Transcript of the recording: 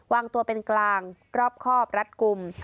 วางตัวเป็นกลางรอบครอบรัดกลุ่ม